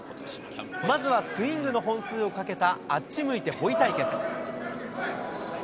まずはスイングの本数をかけた、あっちむいてほい対決。